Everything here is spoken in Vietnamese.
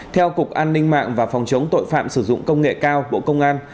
theo cục an ninh mạng và phòng chống tội phạm sử dụng công nghệ cao bộ công an